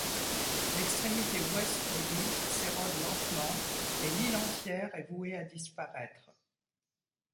L'extrémité ouest de l'île s'érode lentement et l'île entière est vouée à disparaître.